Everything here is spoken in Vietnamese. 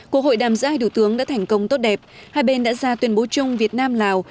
cuộc hội đàm giữa hai thủ tướng đã thành công tốt đẹp hai bên đã ra tuyên bố chung việt nam lào